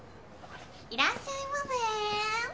いらっしゃいませ。